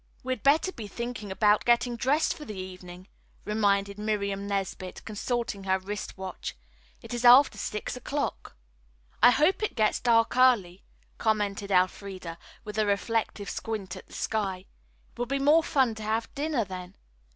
"We'd better be thinking about getting dressed for the evening," reminded Miriam Nesbit, consulting her wrist watch. "It is after six o'clock." "I hope it gets dark early," commented Elfreda, with a reflective squint at the sky. "It will be more fun to have dinner then.